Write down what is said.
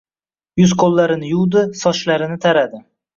Yuz-ko'llarini yuvdi, sochlarini taradi.